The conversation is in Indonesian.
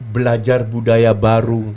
belajar budaya baru